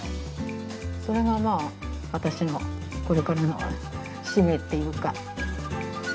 それがまあ私のこれからの使命っていうか。